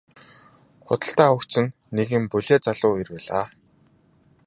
Худалдан авагч нь нэгэн булиа залуу эр байлаа.